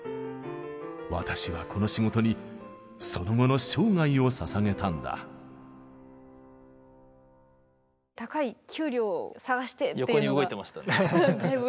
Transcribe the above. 私はこの仕事にその後の生涯をささげたんだ横に動いてましたね。